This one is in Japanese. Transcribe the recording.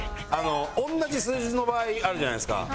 同じ数字の場合あるじゃないですか。